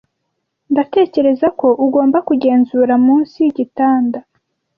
Ndatekereza ko ugomba kugenzura munsi yigitanda.